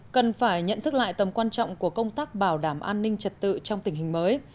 cần phải nhận thức lại tầm quan trọng của công tác bảo đảm an ninh trật tự trong tình hình mới